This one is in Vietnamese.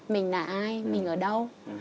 mình là ai mình ở đâu